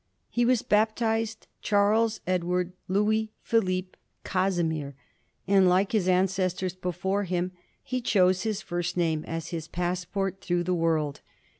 He was baptized Charles Edward Louis Philip Casimir, and, like his an cestors before him, he chose his first name as his passport through the world.